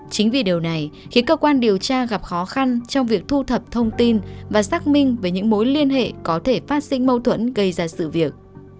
chính vì điều này khiến cơ quan điều tra gặp khó khăn trong việc thu thập thông tin và xác minh về những mối liên hệ có thể phát sinh mâu thuẫn gây ra sự việc